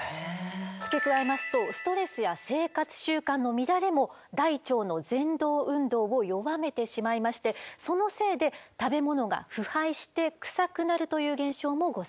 付け加えますとストレスや生活習慣の乱れも大腸のぜん動運動を弱めてしまいましてそのせいで食べ物が腐敗してクサくなるという現象もございます。